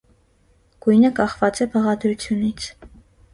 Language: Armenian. Գույնը կախված է բաղադրությունից։